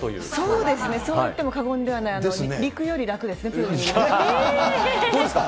そうですね、そういっても過言ではない、陸より楽ですね、どうですか。